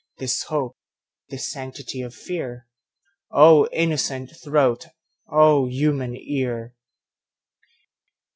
This hope, this sanctity of fear?O innocent throat! O human ear!